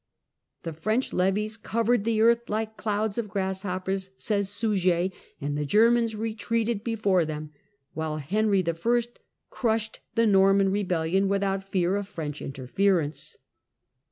The French levies "covered the earth like clouds of grasshoppers," says Suger, and the Germans retreated before them, while Henry I. crushed the Norman rebellion without fear of French interference.